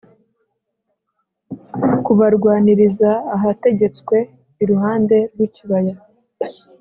kubarwaniriza ahategetswe iruhande rw ikibaya